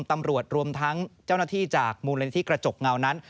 ตำรวจรวมทั้งเจ้าหน้าที่จากมูลนิธิกระจกเงานั้น